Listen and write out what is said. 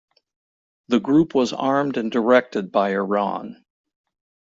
The group was armed and directed by Iran.